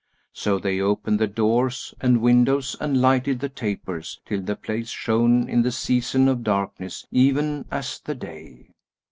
So they opened the doors and windows and lighted the tapers till the place shone in the season of darkness even as the day.